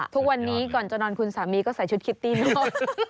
ทุกวันนี้ก่อนจะนอนคุณสามีก็ใส่ชุดคิตตี้นอก